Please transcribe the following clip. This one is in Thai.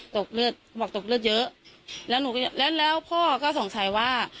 ตกเลือดบอกตกเลือดเยอะแล้วหนูก็แล้วแล้วพ่อก็สงสัยว่า